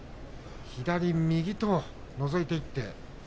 左右とのぞいていって。